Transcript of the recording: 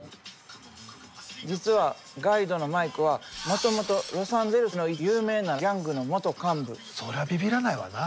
実はガイドのマイクはもともとロサンゼルスの有名なそりゃびびらないわな。